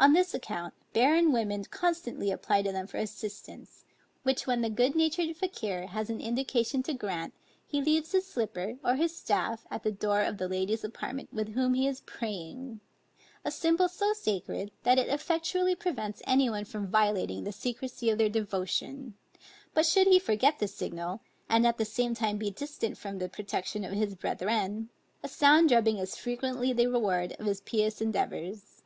On this account, barren women constantly apply to them for assistance; which when the good natured Fakier has an indication to grant, he leaves his slipper, or his staff at the door of the lady's apartment with whom he is praying; a symbol so sacred, that it effectually prevents any one from violating the secrecy of their devotion; but should he forget this signal, and at the same time be distant from the protection of his brethren, a sound drubbing is frequently the reward of his pious endeavors.